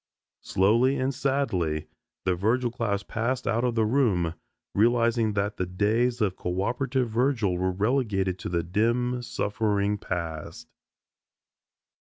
Slowly and sadly the Virgil class passed out of the room; realizing that the days of coöperative Virgil were relegated to the dim, suffering past.